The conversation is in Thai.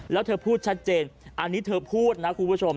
แล้วเธอพูดชัดเจนอันนี้เธอพูดนะคุณผู้ชม